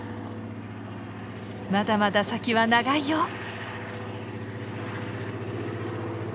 まだまだ先は長いよ！